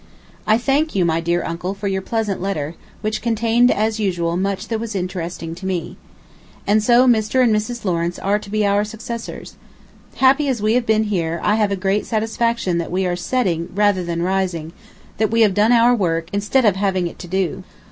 I thank you, my dear Uncle, for your pleasant letter, which contained as usual much that was interesting to me. And so Mr. and Mrs. Lawrence are to be our successors. ... Happy as we have been here, I have a great satisfaction that we are setting rather than rising; that we have done our work, instead of having it to do.